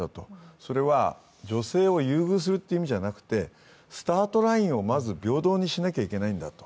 それは女性を優遇するという意味じゃなくて、スタートラインをまず平等にしなきゃいけないんだと。